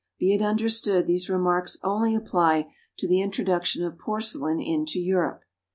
Be it understood these remarks only apply to the introduction of porcelain into Europe.